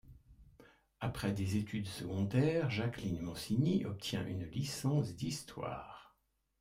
Après des études secondaires, Jacqueline Monsigny obtient une licence d’histoire.